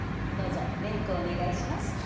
どうぞ例句をお願いします。